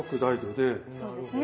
そうですね。